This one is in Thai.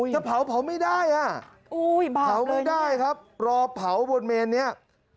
จะเผาไม่ได้อ่ะเผาไม่ได้ครับรอเผาบนเมนนี้